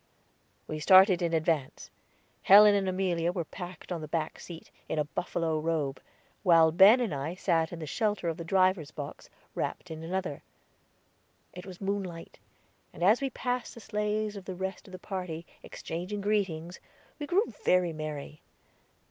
We started in advance. Helen and Amelia were packed on the back seat, in a buffalo robe, while Ben and I sat in the shelter of the driver's box, wrapped in another. It was moonlight, and as we passed the sleighs of the rest of the party, exchanging greetings, we grew very merry.